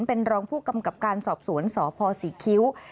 เป็นรองผู้กำกับการสอบสวนสพศรีคิ้ว